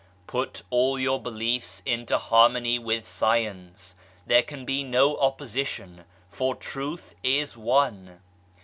Put all your beliefs into harmony with science ; there can be no opposition, for Truth is One.